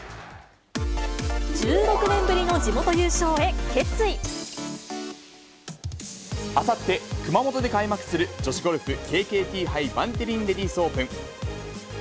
１６年ぶりの地元優勝へ、あさって、熊本で開幕する女子ゴルフＫＫＴ杯バンテリンレディスオープン。